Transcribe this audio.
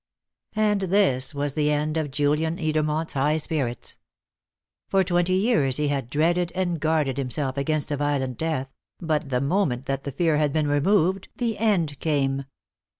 And this was the end of Julian Edermont's high spirits. For twenty years he had dreaded and guarded himself against a violent death; but the moment that the fear had been removed the end came.